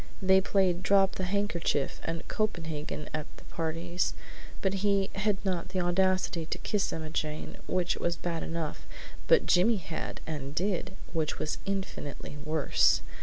They played Drop the Handkerchief and Copenhagen at the parties, but he had not had the audacity to kiss Emma Jane, which was bad enough, but Jimmy had and did, which was infinitely worse!